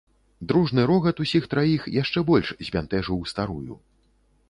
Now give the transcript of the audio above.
Дружны рогат усіх траіх яшчэ больш збянтэжыў старую.